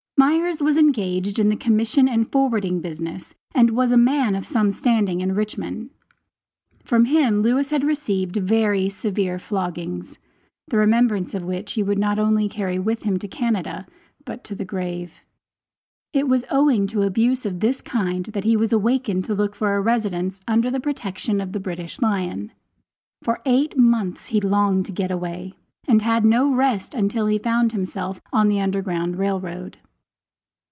Myers was engaged in the commission and forwarding business, and was a man of some standing in Richmond. From him Lewis had received very severe floggings, the remembrance of which he would not only carry with him to Canada, but to the grave. It was owing to abuse of this kind that he was awakened to look for a residence under the protection of the British Lion. For eight months he longed to get away, and had no rest until he found himself on the Underground Rail Road.